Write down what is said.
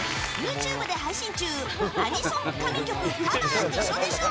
ＹｏｕＴｕｂｅで配信中「アニソン神曲カバーでしょ